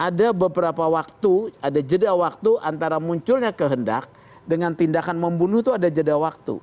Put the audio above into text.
ada beberapa waktu ada jeda waktu antara munculnya kehendak dengan tindakan membunuh itu ada jeda waktu